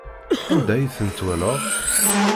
Anda ay ten-twalaḍ?